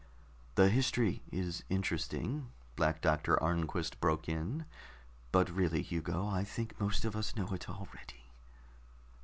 "The history is interesting," Black Doctor Arnquist broke in, "but really, Hugo, I think most of us know it already."